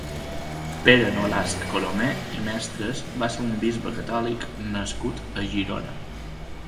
Pere Nolasc Colomer i Mestres va ser un bisbe catòlic nascut a Girona.